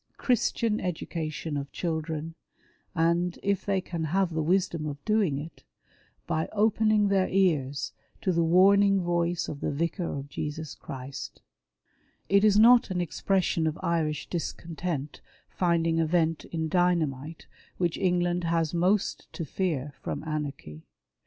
Christian education of children; and, if they can have the wisdom of doing it, by opening their ears to the warning voice of the Vicar of Jesus Christ. It is not an expression 1 20 WAR OF ANTICHRIST WITH THE CHURCH. of Irish discontent finding a vent in dynamite which England has most to fear from anarchy.